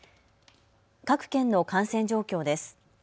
各県の感染状況です。